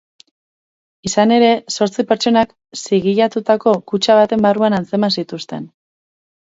Izan ere, zortzi pertsonak zigilatutako kutxa baten barruan atzeman zituzten.